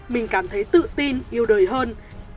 mình cảm thấy tự tin yêu đời hơn